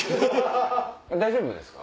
大丈夫ですか？